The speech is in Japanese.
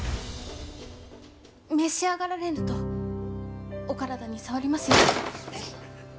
召し上がられぬとお体に障りますよ！